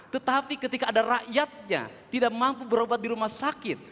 tetapi ketika ada rakyatnya tidak mampu berobat di rumah sakit